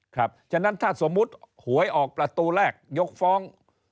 ฉะนั้นถ้าสมมุติหวยออกประตูแรกยกฟ้อง